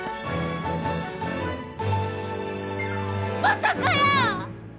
まさかやー！